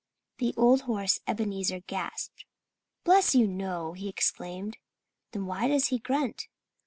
The old horse Ebenezer gasped. "Bless you, no!" he exclaimed. "Then why does he grunt?"